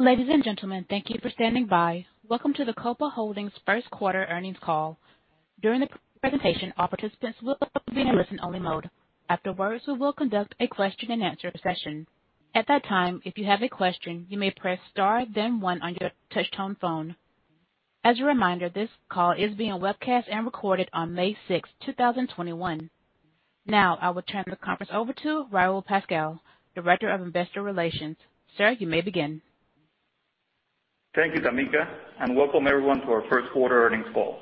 Ladies and gentlemen, thank you for standing by. Welcome to the Copa Holdings first quarter earnings call. During the presentation, all participants will be in listen only mode. Afterwards, we will conduct a question-and-answer session. At that time, if you have a question, you may press star then one on your touch-tone phone. As a reminder, this call is being webcast and recorded on May 6th, 2021. Now I will turn the conference over to Raul Pascual, Director of Investor Relations. Sir, you may begin. Thank you, Tamika. Welcome everyone to our first quarter earnings call.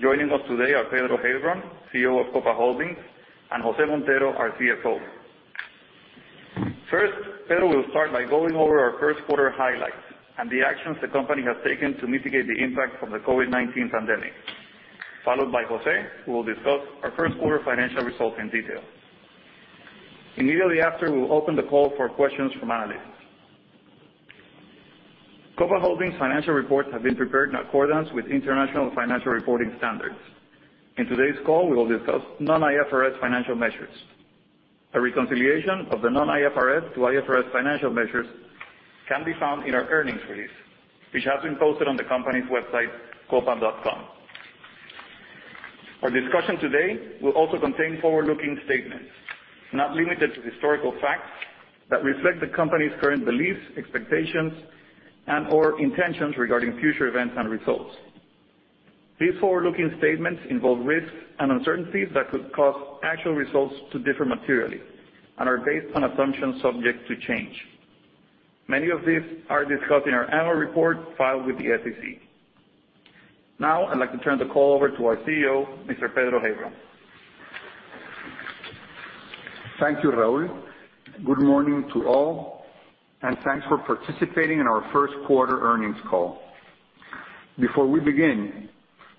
Joining us today are Pedro Heilbron, CEO of Copa Holdings, and Jose Montero, our CFO. First, Pedro will start by going over our first quarter highlights and the actions the company has taken to mitigate the impact from the COVID-19 pandemic, followed by Jose, who will discuss our first quarter financial results in detail. Immediately after, we will open the call for questions from analysts. Copa Holdings financial reports have been prepared in accordance with International Financial Reporting Standards. In today's call, we will discuss non-IFRS financial measures. A reconciliation of the non-IFRS to IFRS financial measures can be found in our earnings release, which has been posted on the company's website, copa.com. Our discussion today will also contain forward-looking statements, not limited to historical facts that reflect the company's current beliefs, expectations, and/or intentions regarding future events and results. These forward-looking statements involve risks and uncertainties that could cause actual results to differ materially and are based on assumptions subject to change. Many of these are discussed in our annual report filed with the SEC. I'd like to turn the call over to our CEO, Mr. Pedro Heilbron. Thank you, Raul. Good morning to all, and thanks for participating in our first quarter earnings call. Before we begin,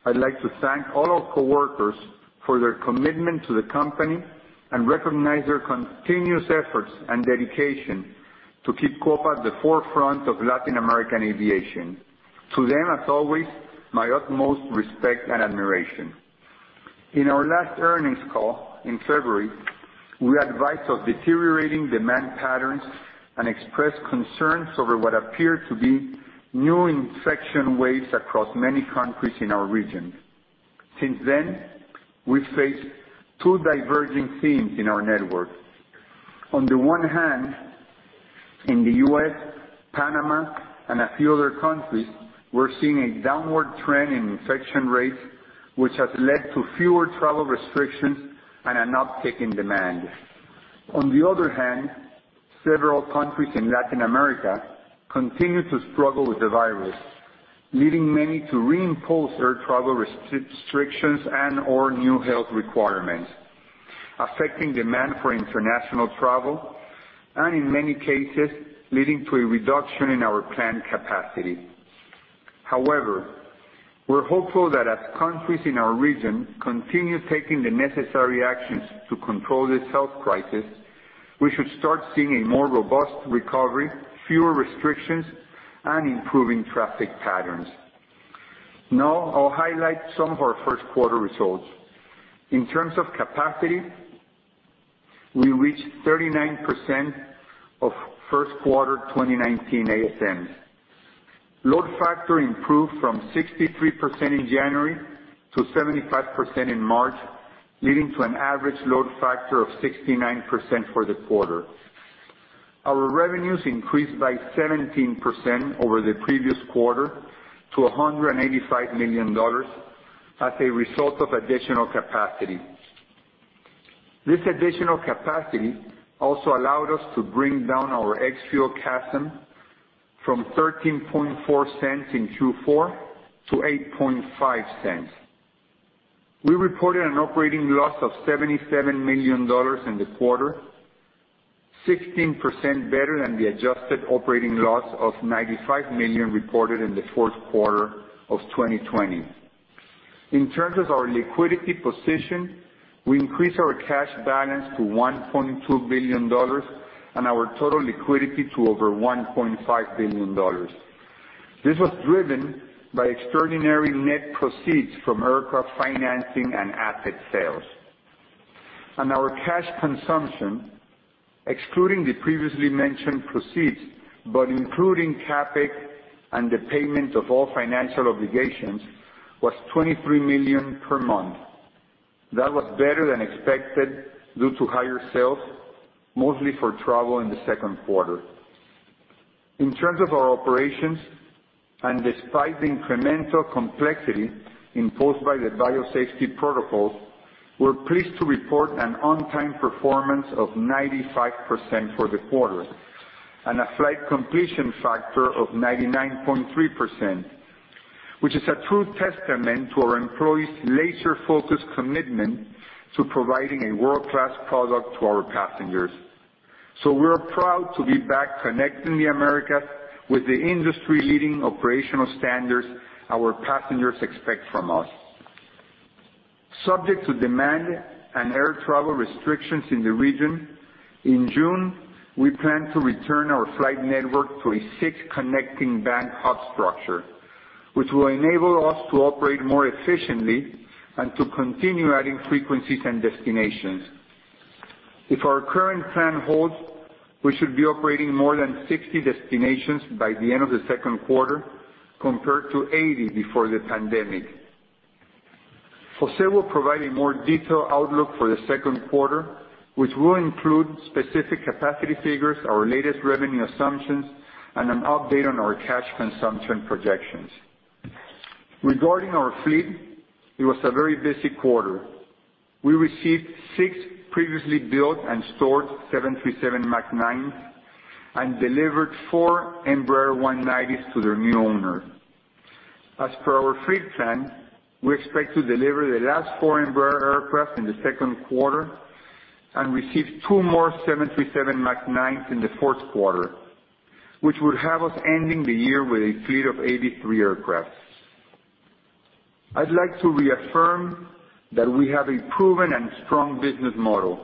I'd like to thank all our coworkers for their commitment to the company and recognize their continuous efforts and dedication to keep Copa at the forefront of Latin American aviation. To them, as always, my utmost respect and admiration. In our last earnings call in February, we advised of deteriorating demand patterns and expressed concerns over what appeared to be new infection waves across many countries in our region. Since then, we've faced two diverging themes in our network. On the one hand, in the U.S., Panama, and a few other countries, we're seeing a downward trend in infection rates, which has led to fewer travel restrictions and an uptick in demand. On the other hand, several countries in Latin America continue to struggle with the virus, leading many to reinforce air travel restrictions and/or new health requirements, affecting demand for international travel and, in many cases, leading to a reduction in our planned capacity. However, we're hopeful that as countries in our region continue taking the necessary actions to control this health crisis, we should start seeing a more robust recovery, fewer restrictions, and improving traffic patterns. Now I'll highlight some of our first quarter results. In terms of capacity, we reached 39% of first quarter 2019 ASMs. Load factor improved from 63% in January to 75% in March, leading to an average load factor of 69% for the quarter. Our revenues increased by 17% over the previous quarter to $185 million as a result of additional capacity. This additional capacity also allowed us to bring down our ex-fuel CASM from $0.134 in Q4 to $0.085. We reported an operating loss of $77 million in the quarter, 16% better than the adjusted operating loss of $95 million reported in the fourth quarter of 2020. In terms of our liquidity position, we increased our cash balance to $1.2 billion and our total liquidity to over $1.5 billion. This was driven by extraordinary net proceeds from aircraft financing and asset sales. Our cash consumption, excluding the previously mentioned proceeds, but including CapEx and the payment of all financial obligations, was $23 million per month. That was better than expected due to higher sales, mostly for travel in the second quarter. In terms of our operations, and despite the incremental complexity imposed by the biosafety protocols, we're pleased to report an on-time performance of 95% for the quarter and a flight completion factor of 99.3%, which is a true testament to our employees' laser-focused commitment to providing a world-class product to our passengers. We're proud to be back connecting the Americas with the industry-leading operational standards our passengers expect from us. Subject to demand and air travel restrictions in the region, in June, we plan to return our flight network to a six-connecting bank Hub structure, which will enable us to operate more efficiently and to continue adding frequencies and destinations. If our current plan holds, we should be operating more than 60 destinations by the end of the second quarter, compared to 80 before the pandemic. Jose will provide a more detailed outlook for the second quarter, which will include specific capacity figures, our latest revenue assumptions, and an update on our cash consumption projections. Regarding our fleet, it was a very busy quarter. We received six previously built and stored 737 MAX 9s and delivered four Embraer 190s to their new owner. As per our fleet plan, we expect to deliver the last four Embraer aircraft in the second quarter and receive two more 737 MAX 9s in the fourth quarter, which will have us ending the year with a fleet of 83 aircraft. I'd like to reaffirm that we have a proven and strong business model,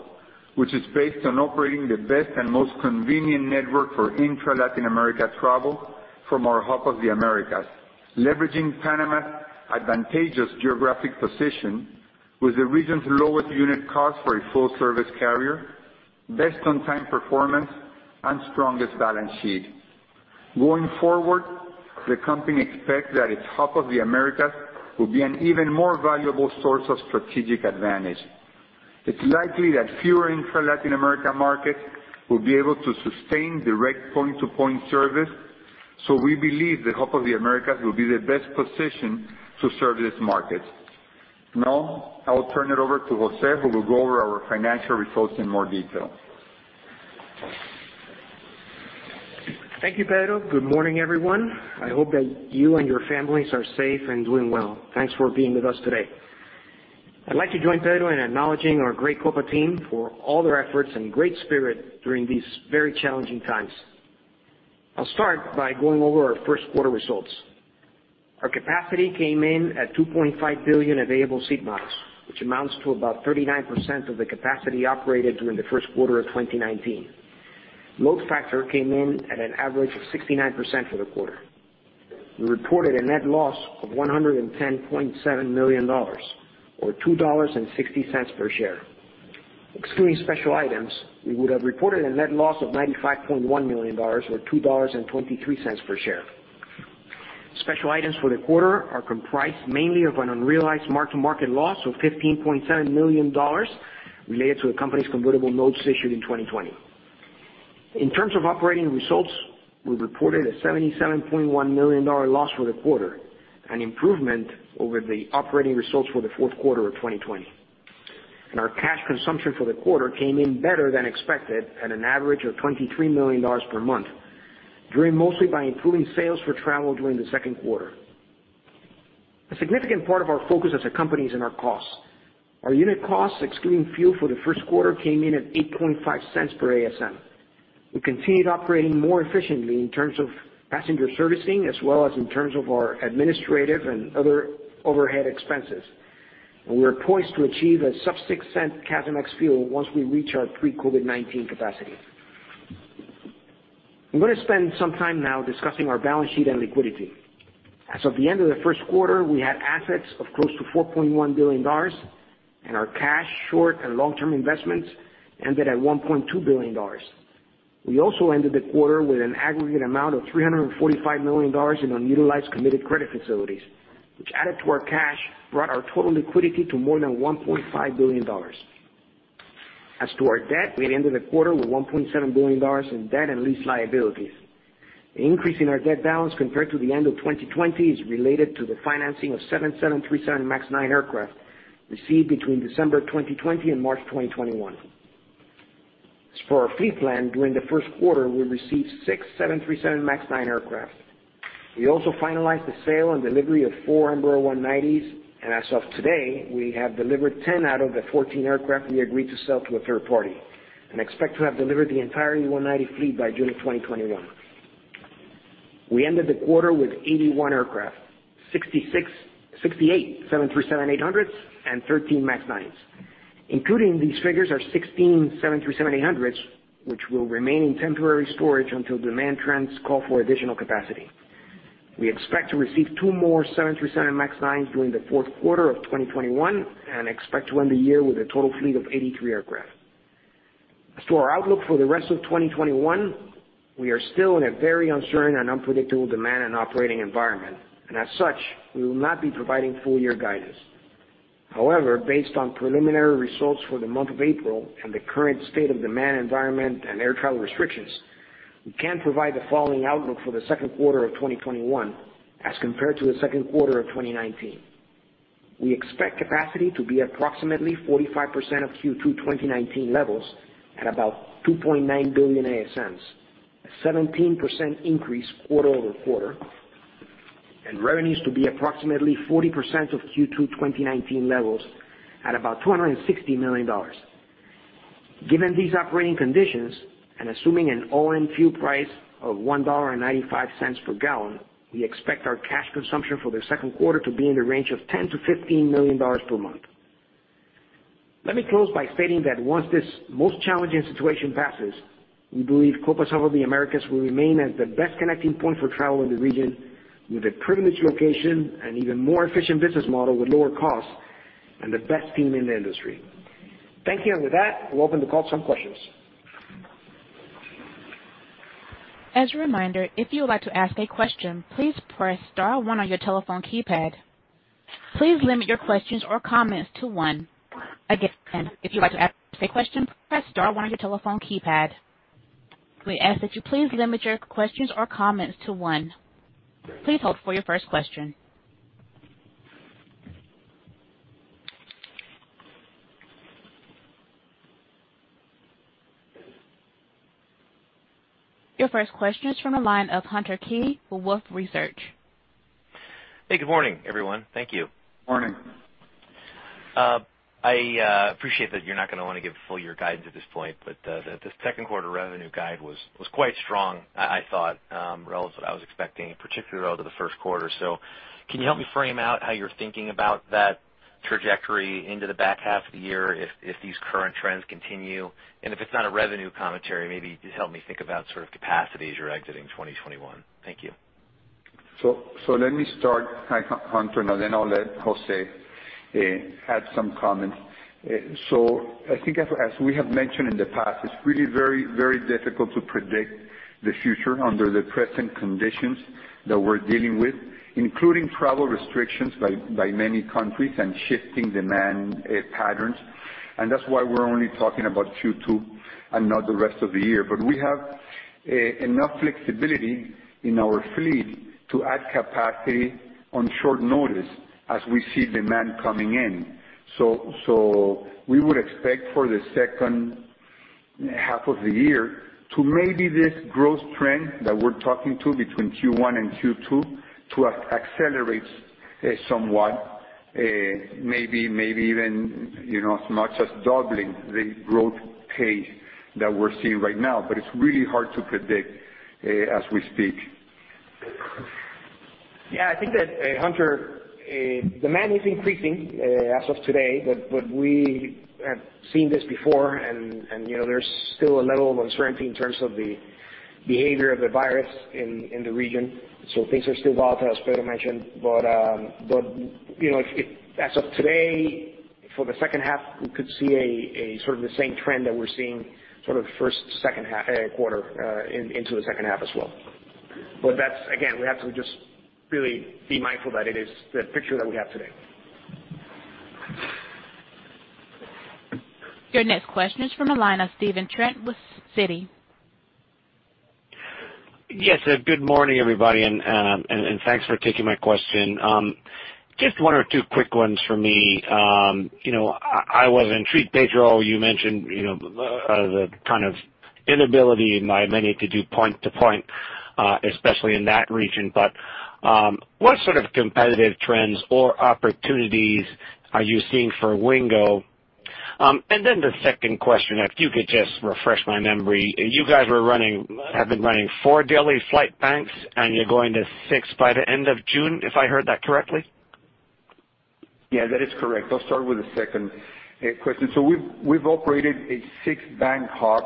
which is based on operating the best and most convenient network for intra-Latin America travel from our Hub of the Americas, leveraging Panama's advantageous geographic position with the region's lowest unit cost for a full-service carrier, best on-time performance, and strongest balance sheet. Going forward, the company expects that its Hub of the Americas will be an even more valuable source of strategic advantage. It's likely that fewer intra-Latin America markets will be able to sustain direct point-to-point service. We believe the Hub of the Americas will be the best position to serve these markets. I will turn it over to Jose, who will go over our financial results in more detail. Thank you, Pedro. Good morning, everyone. I hope that you and your families are safe and doing well. Thanks for being with us today. I'd like to join Pedro in acknowledging our great Copa team for all their efforts and great spirit during these very challenging times. I'll start by going over our first quarter results. Our capacity came in at 2.5 billion available seat miles, which amounts to about 39% of the capacity operated during the first quarter of 2019. Load factor came in at an average of 69% for the quarter. We reported a net loss of $110.7 million, or $2.60 per share. Excluding special items, we would have reported a net loss of $95.1 million, or $2.23 per share. Special items for the quarter are comprised mainly of an unrealized mark-to-market loss of $15.7 million related to the company's convertible notes issued in 2020. In terms of operating results, we reported a $77.1 million loss for the quarter, an improvement over the operating results for the fourth quarter of 2020. Our cash consumption for the quarter came in better than expected, at an average of $23 million per month, driven mostly by improving sales for travel during the second quarter. A significant part of our focus as a company is in our costs. Our unit costs, excluding fuel for the first quarter, came in at $0.085 per ASM. We continued operating more efficiently in terms of passenger servicing, as well as in terms of our administrative and other overhead expenses. We are poised to achieve a sub $0.06 CASM ex-fuel once we reach our pre-COVID-19 capacity. I'm going to spend some time now discussing our balance sheet and liquidity. As of the end of the first quarter, we had assets of close to $4.1 billion, and our cash, short and long-term investments ended at $1.2 billion. We also ended the quarter with an aggregate amount of $345 million in unutilized committed credit facilities, which added to our cash, brought our total liquidity to more than $1.5 billion. As to our debt, we ended the quarter with $1.7 billion in debt and lease liabilities. The increase in our debt balance compared to the end of 2020 is related to the financing of seven 737 MAX 9 aircraft received between December 2020 and March 2021. As for our fleet plan, during the first quarter, we received six 737 MAX 9 aircraft. We also finalized the sale and delivery of four Embraer 190s. As of today, we have delivered 10 out of the 14 aircraft we agreed to sell to a third party, and expect to have delivered the entire E190 fleet by June of 2021. We ended the quarter with 81 aircraft, 68 737-800s and 13 MAX 9s. Including these figures are 16 737-800s, which will remain in temporary storage until demand trends call for additional capacity. We expect to receive two more 737 MAX 9s during the fourth quarter of 2021. We expect to end the year with a total fleet of 83 aircraft. As to our outlook for the rest of 2021, we are still in a very uncertain and unpredictable demand and operating environment. As such, we will not be providing full-year guidance. However, based on preliminary results for the month of April and the current state of demand environment and air travel restrictions, we can provide the following outlook for the second quarter of 2021 as compared to the second quarter of 2019. We expect capacity to be approximately 45% of Q2 2019 levels at about 2.9 billion ASMs, a 17% increase quarter-over-quarter, and revenues to be approximately 40% of Q2 2019 levels at about $260 million. Given these operating conditions, and assuming an all-in fuel price of $1.95 per gallon, we expect our cash consumption for the second quarter to be in the range of $10 million-$15 million per month. Let me close by stating that once this most challenging situation passes, we believe Copa's Hub of the Americas will remain as the best connecting point for travel in the region. With a privileged location and even more efficient business model with lower costs and the best team in the industry. Thank you. With that, we'll open the call to some questions. As a reminder, if you would like to ask a question, please press star one on your telephone keypad. Please limit your questions or comments to one. Again, if you'd like to ask a question, press star one on your telephone keypad. We ask that you please limit your questions or comments to one. Your first question is from the line of Hunter Keay with Wolfe Research. Hey, good morning, everyone. Thank you. Morning. I appreciate that you're not going to want to give full year guidance at this point. The second quarter revenue guide was quite strong, I thought, relative to what I was expecting, particularly relative to the first quarter. Can you help me frame out how you're thinking about that trajectory into the back half of the year if these current trends continue? If it's not a revenue commentary, maybe just help me think about capacities you're exiting 2021. Thank you. Let me start, Hunter, and then I'll let Jose add some comments. I think as we have mentioned in the past, it's really very difficult to predict the future under the present conditions that we're dealing with, including travel restrictions by many countries and shifting demand patterns. That's why we're only talking about Q2 and not the rest of the year. We have enough flexibility in our fleet to add capacity on short notice as we see demand coming in. We would expect for the second half of the year to maybe this growth trend that we're talking to between Q1 and Q2 to accelerate somewhat, maybe even as much as doubling the growth pace that we're seeing right now. It's really hard to predict as we speak. Yeah, I think that, Hunter, demand is increasing as of today. We have seen this before, and there's still a level of uncertainty in terms of the behavior of the virus in the region. Things are still volatile, as Pedro mentioned. As of today, for the second half, we could see the same trend that we're seeing first, second quarter into the second half as well. Again, we have to just really be mindful that it is the picture that we have today. Your next question is from the line of Stephen Trent with Citi. Yes. Good morning, everybody, thanks for taking my question. Just one or two quick ones from me. I was intrigued, Pedro, you mentioned the kind of inability by many to do point to point, especially in that region. What sort of competitive trends or opportunities are you seeing for Wingo? The second question, if you could just refresh my memory. You guys have been running four daily flight banks, and you're going to six by the end of June, if I heard that correctly? Yeah, that is correct. I'll start with the second question. We've operated a six-bank hub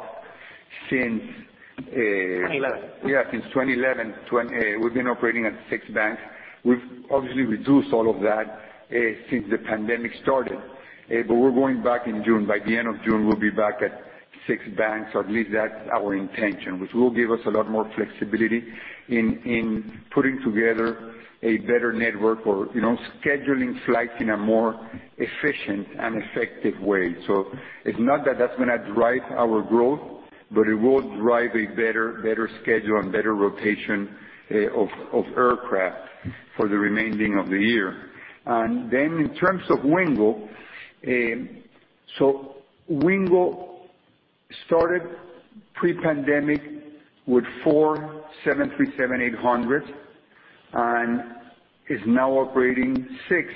since. 2011 Since 2011. We've been operating at six banks. We've obviously reduced all of that since the pandemic started. We're going back in June. By the end of June, we'll be back at six banks, or at least that's our intention, which will give us a lot more flexibility in putting together a better network or scheduling flights in a more efficient and effective way. It's not that that's going to drive our growth, but it will drive a better schedule and better rotation of aircraft for the remaining of the year. In terms of Wingo. Wingo started pre-pandemic with four 737-800s and is now operating six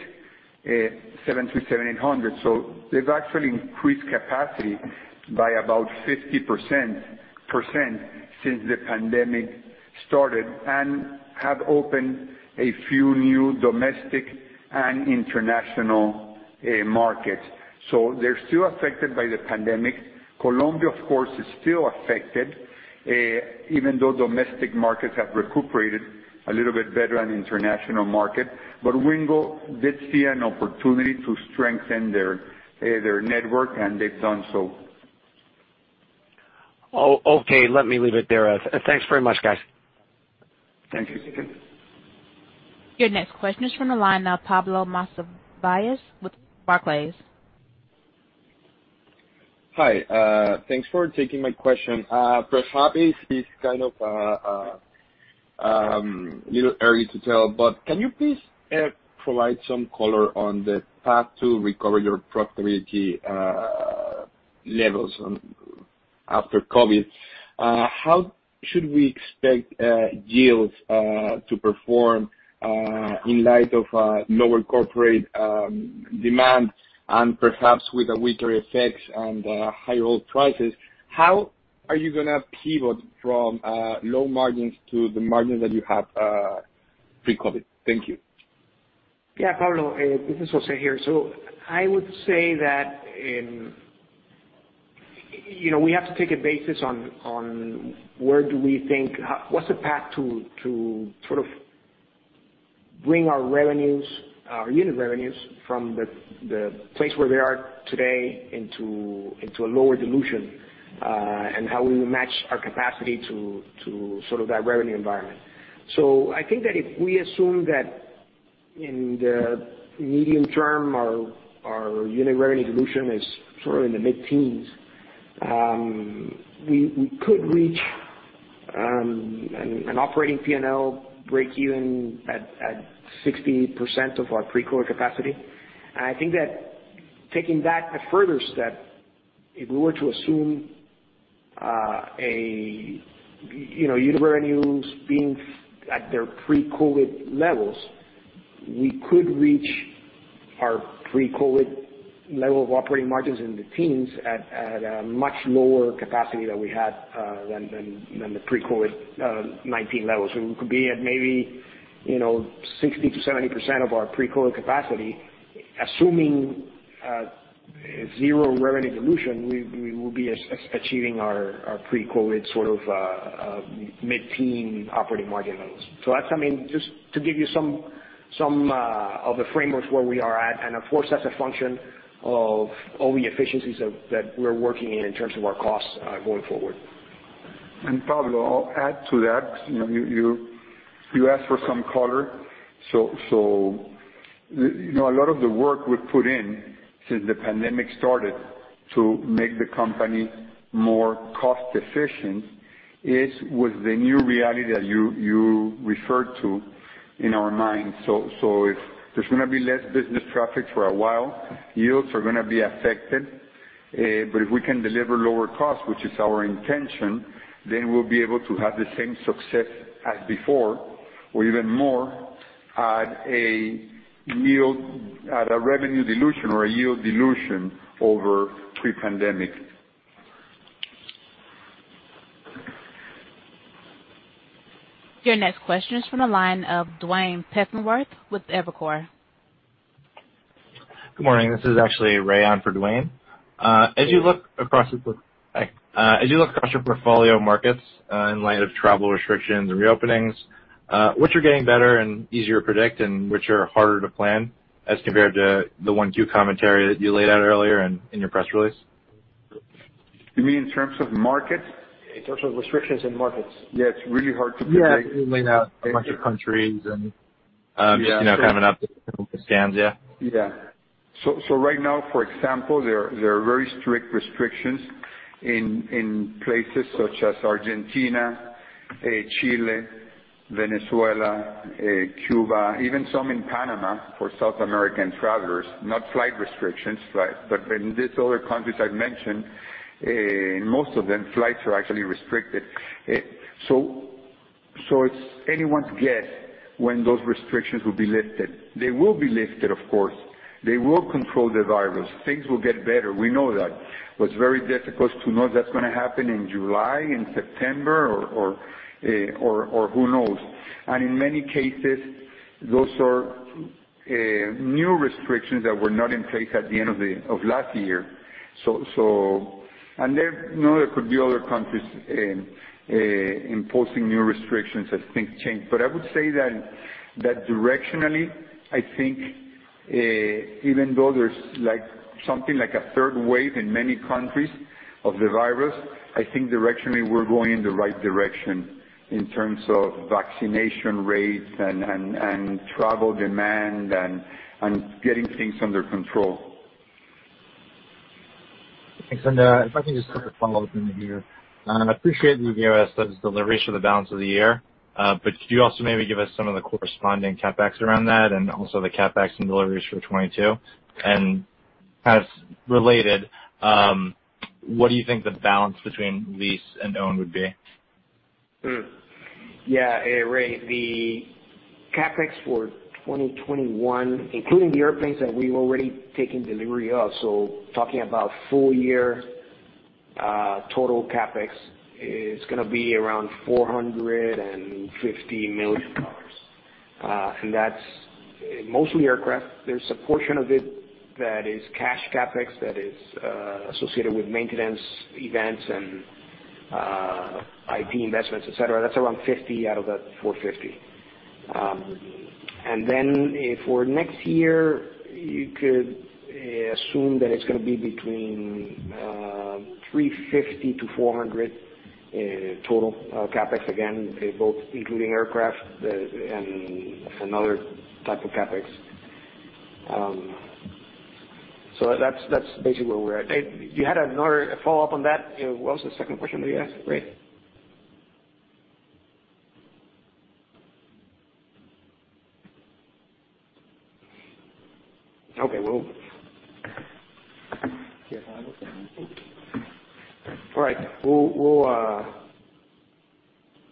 737-800s. They've actually increased capacity by about 50% since the pandemic started and have opened a few new domestic and international markets. They're still affected by the pandemic. Colombia, of course, is still affected. Even though domestic markets have recuperated a little bit better than international market. Wingo did see an opportunity to strengthen their network, and they've done so. Okay, let me leave it there. Thanks very much, guys. Thank you. Your next question is from the line of Pablo Monsivais with Barclays. Hi. Thanks for taking my question. Perhaps this is kind of a little early to tell. Can you please provide some color on the path to recover your profitability levels after COVID? How should we expect yields to perform in light of lower corporate demand and perhaps with a weaker effect on the higher oil prices? How are you going to pivot from low margins to the margin that you have pre-COVID? Thank you. Yeah, Pablo. This is Jose here. I would say that we have to take a basis on what's the path to bring our unit revenues from the place where they are today into a lower dilution, and how we match our capacity to that revenue environment. I think that if we assume that in the medium term, our unit revenue dilution is sort of in the mid-teens, we could reach an operating P&L breakeven at 60% of our pre-COVID capacity. I think that taking that a further step, if we were to assume unit revenues being at their pre-COVID levels, we could reach our pre-COVID level of operating margins in the teens at a much lower capacity than the pre-COVID-19 levels. We could be at maybe 60%-70% of our pre-COVID capacity. Assuming zero revenue dilution, we will be achieving our pre-COVID mid-teen operating margin levels. That's just to give you some of the framework where we are at, and of course, that's a function of all the efficiencies that we're working in terms of our costs going forward. Pablo, I'll add to that. You asked for some color. A lot of the work we've put in since the pandemic started to make the company more cost efficient is with the new reality that you referred to in our minds. If there's going to be less business traffic for a while, yields are going to be affected. If we can deliver lower cost, which is our intention, then we'll be able to have the same success as before, or even more, at a revenue dilution or a yield dilution over pre-pandemic. Your next question is from the line of Duane Pfennigwerth with Evercore. Good morning. This is actually Ray on for Duane. As you look across your portfolio markets in light of travel restrictions and reopenings, which are getting better and easier to predict, and which are harder to plan as compared to the 12 commentary that you laid out earlier in your press release? You mean in terms of markets? In terms of restrictions in markets. Yeah, it's really hard to. Yeah, you laid out a bunch of countries and just kind of an update with stands. Yeah. Yeah. Right now, for example, there are very strict restrictions in places such as Argentina, Chile, Venezuela, Cuba, even some in Panama for South American travelers. Not flight restrictions, but in these other countries I've mentioned, in most of them, flights are actually restricted. It's anyone's guess when those restrictions will be lifted. They will be lifted, of course. They will control the virus. Things will get better. We know that. It's very difficult to know if that's going to happen in July, in September, or who knows. In many cases, those are new restrictions that were not in place at the end of last year. There could be other countries imposing new restrictions as things change. I would say that directionally, I think even though there's something like a third wave in many countries of the virus, I think directionally, we're going in the right direction in terms of vaccination rates and travel demand and getting things under control. Thanks. If I can just have a follow-up in here. I appreciate that you gave us the delivery for the balance of the year. Could you also maybe give us some of the corresponding CapEx around that and also the CapEx and deliveries for 2022? Kind of related, what do you think the balance between lease and own would be? Ray, the CapEx for 2021, including the airplanes that we've already taken delivery of, talking about full year total CapEx, is going to be around $450 million. That's mostly aircraft. There's a portion of it that is cash CapEx that is associated with maintenance events and IT investments, et cetera. That's around 50 out of that 450. For next year, you could assume that it's going to be between $350-$400 total CapEx again, both including aircraft and other types of CapEx. That's basically where we're at. You had another follow-up on that. What was the second question that you asked, Ray? Okay. All right.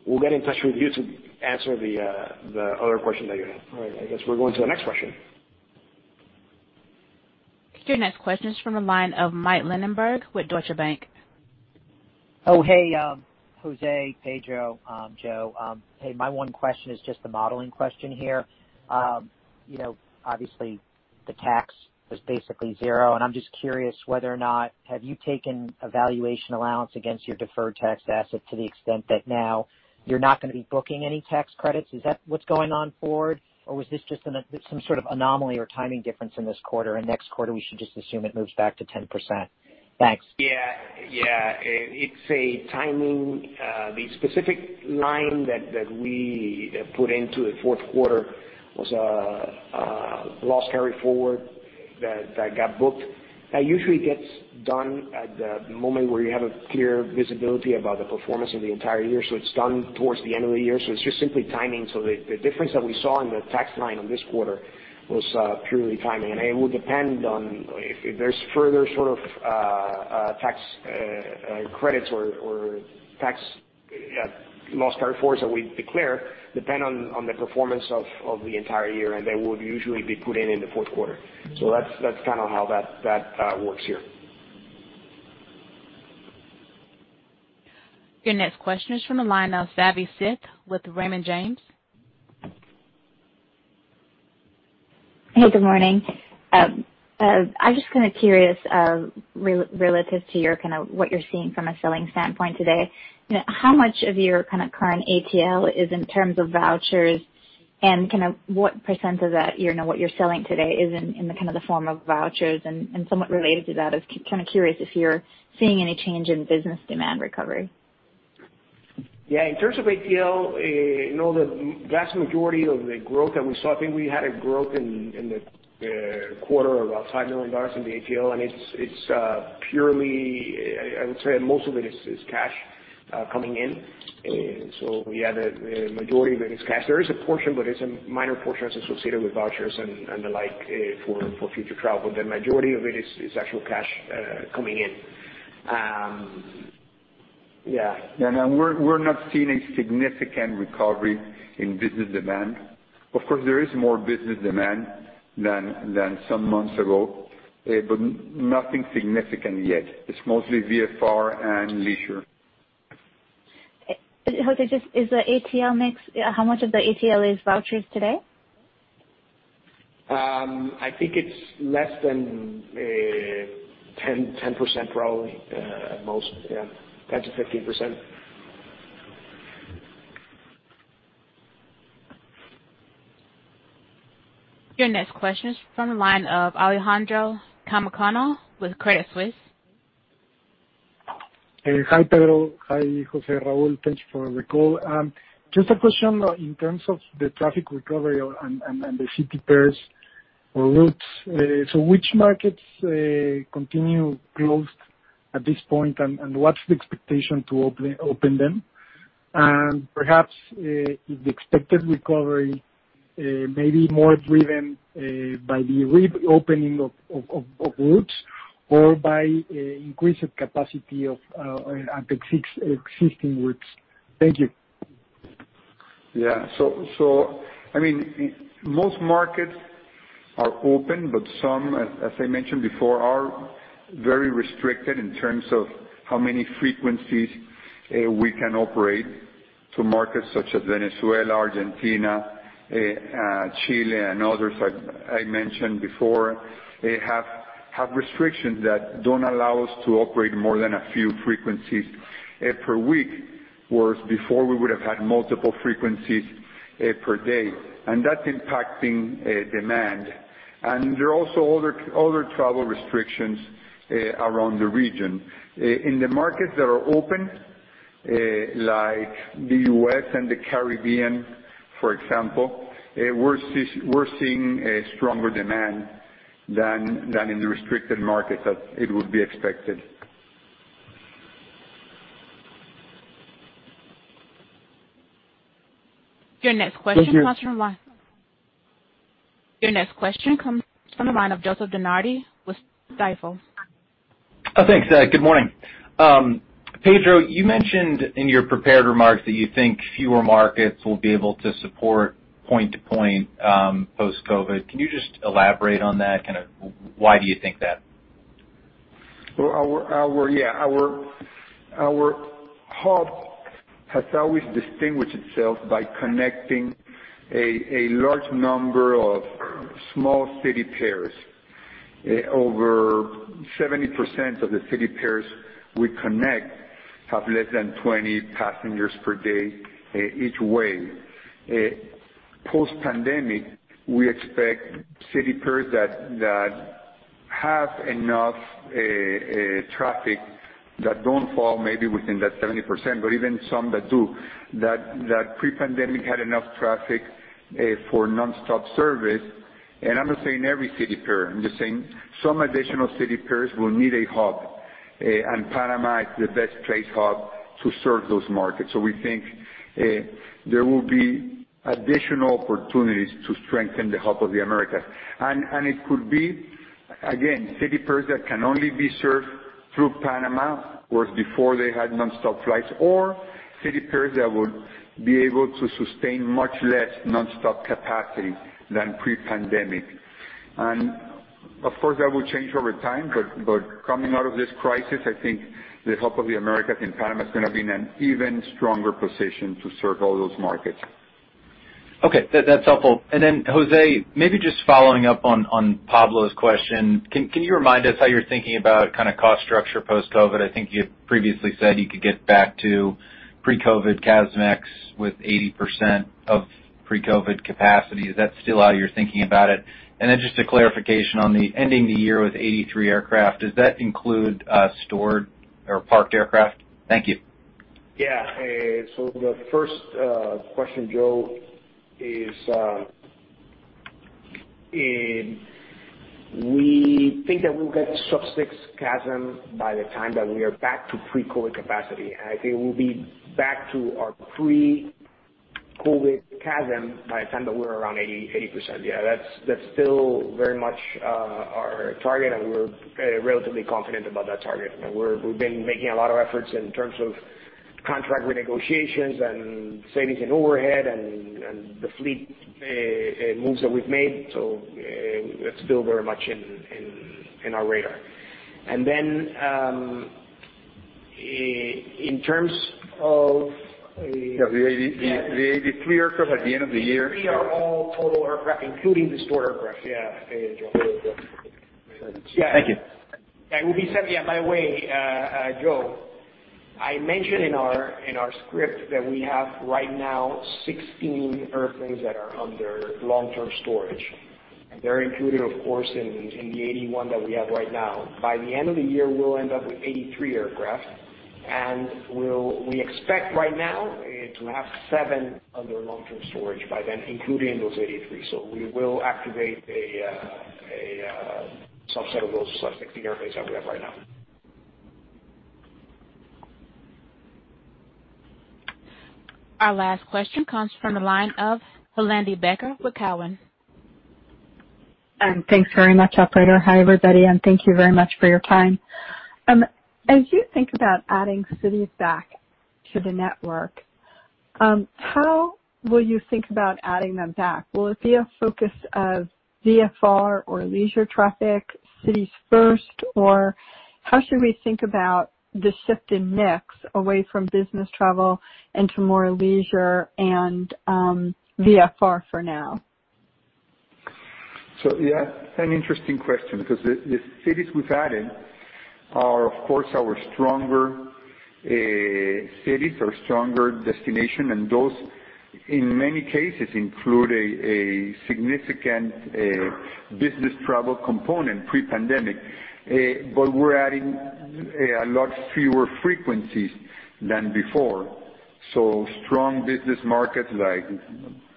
We'll get in touch with you to answer the other question that you had. All right, I guess we're going to the next question. Your next question is from the line of Michael Linenberg with Deutsche Bank. Oh, hey, Jose, Pedro, Joe. Hey, my one question is just the modeling question here. Obviously, the tax was basically zero, and I'm just curious whether or not, have you taken a valuation allowance against your deferred tax asset to the extent that now you're not going to be booking any tax credits? Is that what's going on forward, or was this just some sort of anomaly or timing difference in this quarter, and next quarter, we should just assume it moves back to 10%? Thanks. Yeah. It's a timing. The specific line that we put into the fourth quarter was a loss carry forward that got booked. That usually gets done at the moment where you have a clear visibility about the performance of the entire year. It's done towards the end of the year. It's just simply timing. The difference that we saw in the tax line on this quarter was purely timing. It will depend on if there's further sort of tax credits or tax loss carry forwards that we declare, depend on the performance of the entire year, and they will usually be put in the fourth quarter. That's kind of how that works here. Your next question is from the line of Savanthi Syth with Raymond James. Hey, good morning. I'm just kind of curious, relative to what you're seeing from a selling standpoint today, how much of your current ATL is in terms of vouchers, and what percent of that, what you're selling today is in the form of vouchers? Somewhat related to that, I was kind of curious if you're seeing any change in business demand recovery. Yeah. In terms of ATL, the vast majority of the growth that we saw, I think we had a growth in the quarter of about $5 million in the ATL. It's purely, I would say most of it is cash coming in. Yeah, the majority of it is cash. There is a portion, but it's a minor portion that's associated with vouchers and the like for future travel. The majority of it is actual cash coming in. Yeah. We're not seeing a significant recovery in business demand. Of course, there is more business demand than some months ago, but nothing significant yet. It's mostly VFR and leisure. Jose, how much of the ATL is vouchers today? I think it's less than 10%, probably, at most. Yeah. 10%-15%. Your next question is from the line of Alejandro Zamacona with Credit Suisse. Hi, Pedro. Hi, Jose, Raul. Thanks for the call. Which markets continue closed at this point, and what's the expectation to open them? Perhaps if the expected recovery may be more driven by the reopening of routes or by increased capacity of existing routes. Thank you. Yeah. Most markets are open, but some, as I mentioned before, are very restricted in terms of how many frequencies we can operate to markets such as Venezuela, Argentina, Chile, and others I mentioned before. They have restrictions that don't allow us to operate more than a few frequencies per week, whereas before we would have had multiple frequencies per day. That's impacting demand. There are also other travel restrictions around the region. In the markets that are open, like the U.S. and the Caribbean, for example, we're seeing a stronger demand than in the restricted markets that it would be expected. Your next question comes from- Thank you. Your next question comes from the line of Joseph DeNardi with Stifel. Oh, thanks. Good morning. Pedro, you mentioned in your prepared remarks that you think fewer markets will be able to support point to point post-COVID. Can you just elaborate on that? Why do you think that? Our hub has always distinguished itself by connecting a large number of small city pairs. Over 70% of the city pairs we connect have less than 20 passengers per day each way. Post-pandemic, we expect city pairs that have enough traffic that don't fall maybe within that 70%, but even some that do, that pre-pandemic had enough traffic for nonstop service. I'm not saying every city pair, I'm just saying some additional city pairs will need a hub, and Panama is the best placed hub to serve those markets. We think there will be additional opportunities to strengthen the Hub of the Americas. It could be, again, city pairs that can only be served through Panama, whereas before they had nonstop flights, or city pairs that would be able to sustain much less nonstop capacity than pre-pandemic. Of course, that will change over time. Coming out of this crisis, I think with the Hub of the Americas, Panama is going to be in an even stronger position to serve all those markets. Okay. That's helpful. Jose, maybe just following up on Pablo's question, can you remind us how you're thinking about kind of cost structure post-COVID-19? I think you previously said you could get back to pre-COVID-19 CASM ex-fuel with 80% of pre-COVID-19 capacity. Is that still how you're thinking about it? Just a clarification on the ending the year with 83 aircraft, does that include stored or parked aircraft? Thank you. Yeah. The first question, Joe, is we think that we'll get sub six CASM by the time that we are back to pre-COVID capacity. I think we'll be back to our pre-COVID CASM by the time that we're around 80%. Yeah, that's still very much our target, we're relatively confident about that target. We've been making a lot of efforts in terms of contract renegotiations and savings in overhead and the fleet moves that we've made. That's still very much in our radar. Yeah, the 83 aircraft at the end of the year. The 83 are all total aircraft, including the stored aircraft. Yeah. Thank you. Yeah. By the way, Joe, I mentioned in our script that we have right now 16 airplanes that are under long-term storage, and they're included, of course, in the 81 that we have right now. By the end of the year, we'll end up with 83 aircraft, and we expect right now to have seven under long-term storage by then, including those 83. We will activate a subset of those, so that's 16 airplanes that we have right now. Our last question comes from the line of Helane Becker with Cowen. Thanks very much, operator. Hi, everybody, and thank you very much for your time. As you think about adding cities back to the network, how will you think about adding them back? Will it be a focus of VFR or leisure traffic cities first, or how should we think about the shift in mix away from business travel into more leisure and VFR for now? Yeah, an interesting question because the cities we've added are, of course, our stronger cities, our stronger destination, and those in many cases include a significant business travel component pre-pandemic. We're adding a lot fewer frequencies than before. Strong business markets like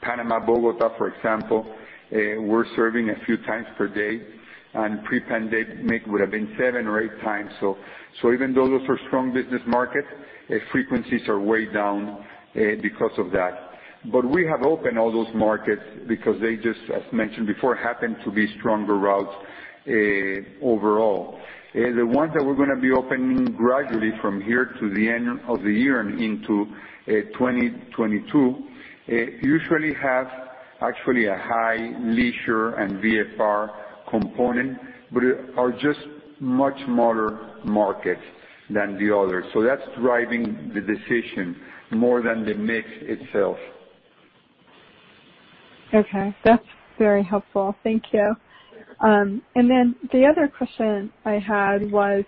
Panama, Bogotá, for example, we're serving a few times per day, and pre-pandemic would have been seven or eight times. Even though those are strong business markets, frequencies are way down because of that. We have opened all those markets because they just, as mentioned before, happen to be stronger routes overall. The ones that we're going to be opening gradually from here to the end of the year and into 2022 usually have actually a high leisure and VFR component, but are just much smaller markets than the others. That's driving the decision more than the mix itself. Okay. That's very helpful. Thank you. Then the other question I had was,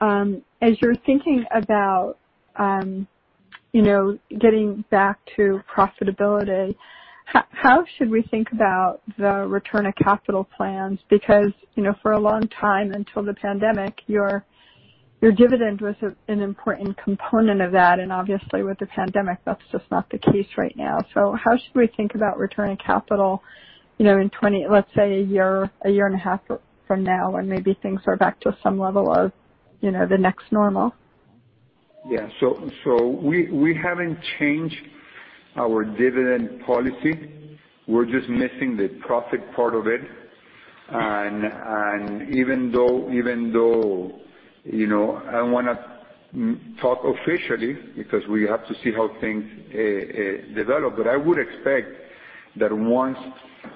as you're thinking about getting back to profitability, how should we think about the return of capital plans? Because for a long time until the pandemic, your dividend was an important component of that, and obviously, with the pandemic, that's just not the case right now. How should we think about returning capital let's say a year and a half from now, when maybe things are back to some level of the next normal? Yeah. We haven't changed our dividend policy. We're just missing the profit part of it. Even though I want to talk officially because we have to see how things develop. I would expect that once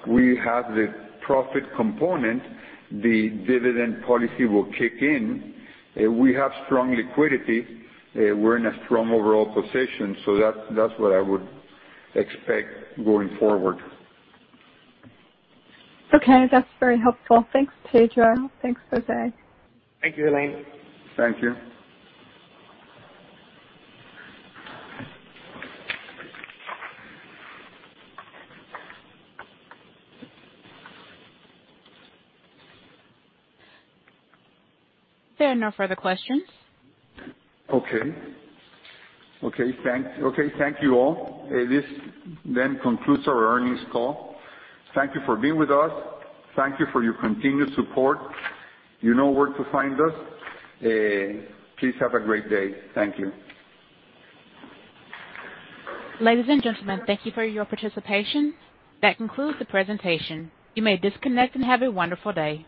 we have the profit component, the dividend policy will kick in. We have strong liquidity. We're in a strong overall position, so that's what I would expect going forward. Okay. That's very helpful. Thanks, Pedro. Thanks, Jose. Thank you, Helane. Thank you. There are no further questions. Okay. Thank you all. This then concludes our earnings call. Thank you for being with us. Thank you for your continued support. You know where to find us. Please have a great day. Thank you. Ladies and gentlemen, thank you for your participation. That concludes the presentation. You may disconnect and have a wonderful day.